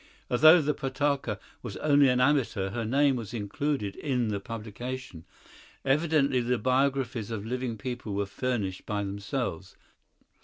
Although the Potocka was only an amateur, her name was included in the publication. Evidently the biographies of living people were furnished by themselves.